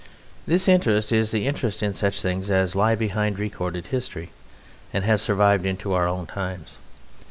This interest is the interest in such things as lie behind recorded history, and have survived into our own times.